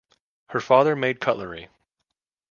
Her father made cutlery.